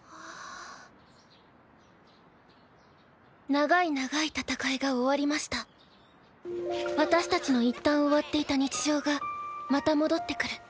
長い長い戦いが終わりました私たちの一旦終わっていた日常がまた戻ってくる。